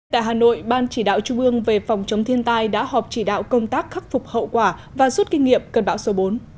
tại hà nội ban chỉ đạo trung ương về phòng chống thiên tai đã họp chỉ đạo công tác khắc phục hậu quả và rút kinh nghiệm cơn bão số bốn